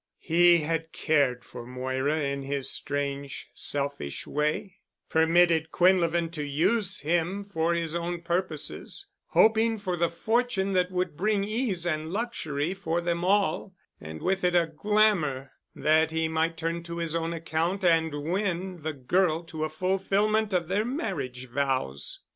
He had cared for Moira in his strange selfish way, permitted Quinlevin to use him for his own purposes, hoping for the fortune that would bring ease and luxury for them all, and with it a glamour that he might turn to his own account and win the girl to a fulfillment of their marriage vows.